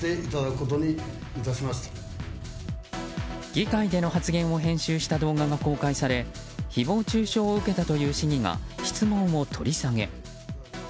議会での発言を編集した動画が公開され誹謗中傷を受けたという市議が質問を取り下げ。